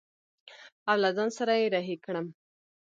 او له ځان سره يې رهي کړم.